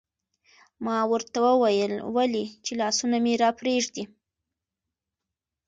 ما ورته وویل: ولې؟ چې لاسونه مې راپرېږدي.